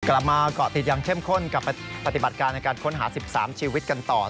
กลับมาเกาะติดอย่างเข้มข้นกับปฏิบัติการในการค้นหา๑๓ชีวิตกันต่อ